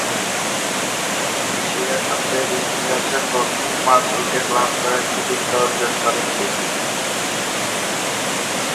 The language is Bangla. এশিয়া কাপের ইতিহাসে প্রথম পাঁচ-উইকেট লাভ করার কৃতিত্ব অর্জন করেন তিনি।